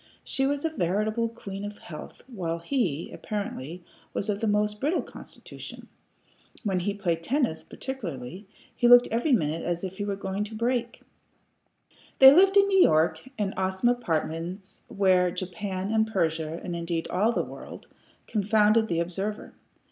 She was a veritable queen of health, while he, apparently, was of a most brittle constitution. When he played tennis, particularly, he looked every minute as if he were going to break. They lived in New York, in awesome apartments wherein Japan and Persia, and indeed all the world, confounded the observer.